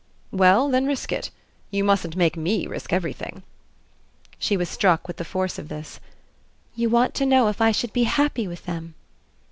"Well then risk it. You mustn't make ME risk everything." She was struck with the force of this. "You want to know if I should be happy with THEM."